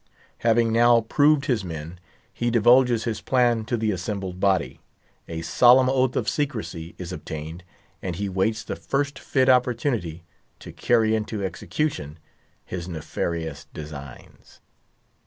Having now proved his men, he divulges his plan to the assembled body; a solemn oath of secrecy is obtained, and he waits the first fit opportunity to carry into execution his nefarious designs.